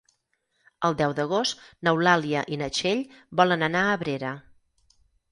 El deu d'agost n'Eulàlia i na Txell volen anar a Abrera.